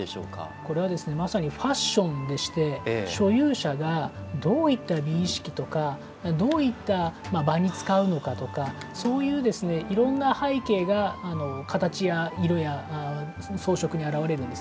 これはまさにファッションでして所有者がどういった美意識とかどういった場に使うのかとかそういういろんな背景が形や色や装飾に表れるんです。